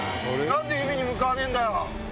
なんで海に向かわねえんだよ。